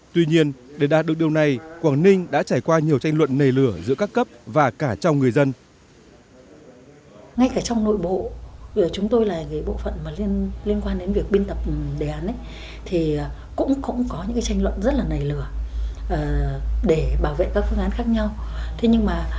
tuy nhiên để đạt được điều này quảng ninh đã trải qua nhiều tranh luận nề lửa giữa các cấp và cả trong người dân